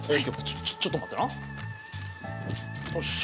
ちょちょっと待ってな。